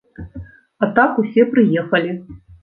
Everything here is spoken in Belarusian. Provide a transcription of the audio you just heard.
А так усе прыехалі.